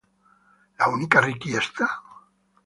L’unica richiesta?